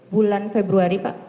bulan februari pak